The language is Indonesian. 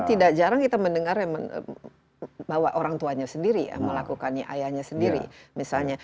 tidak jarang kita mendengar bahwa orang tuanya sendiri ya melakukannya ayahnya sendiri misalnya